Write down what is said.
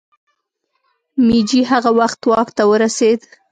مېجي هغه وخت واک ته ورسېد.